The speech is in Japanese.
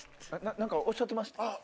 何かおっしゃってました？